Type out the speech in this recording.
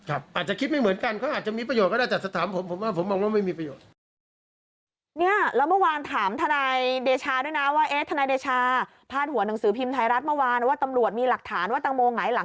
อาจจะคิดไม่เหมือนกันเขาอาจจะมีประโยชน์ก็ได้จากสถานที่ผม